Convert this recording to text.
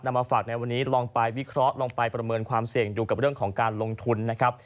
มาฝากในวันนี้ลองไปวิเคราะห์ลองไปประเมินความเสี่ยงดูกับเรื่องของการลงทุนนะครับ